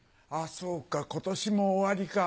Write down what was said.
そうか今年も終わりか。